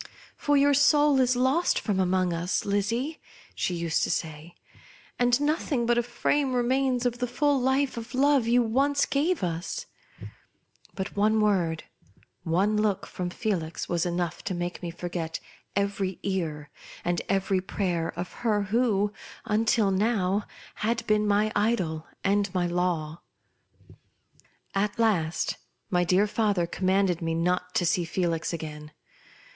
*' For your sou^ ' .out from among us, Lizzie," she used to say ; "and nothing but a frame remains of the full life of love you once gave us !" But one word, one look, from Felix was enough to make me forget every tear and every prayer of her who, until now, had been my idol and my law. At last my dear father^commanded me not to see Felix again.